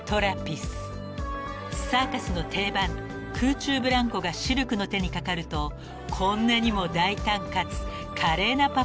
［サーカスの定番空中ブランコがシルクの手に掛かるとこんなにも大胆かつ華麗なパフォーマンスに変身］